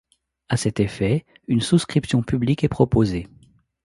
À cet effet, une souscription publique est proposée.